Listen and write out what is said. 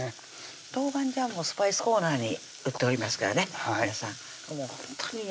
豆板醤もスパイスコーナーに売っておりますからね皆さんほんとにね